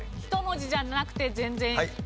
１文字じゃなくて全然いいです。